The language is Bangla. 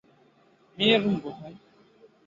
মেয়ের রুম কোথায়?